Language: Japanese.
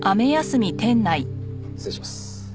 失礼します。